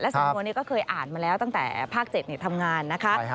สำนวนนี้ก็เคยอ่านมาแล้วตั้งแต่ภาค๗ทำงานนะคะ